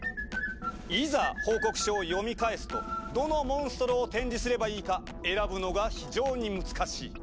いざ報告書を読み返すとどのモンストロを展示すればいいか選ぶのが非常に難しい。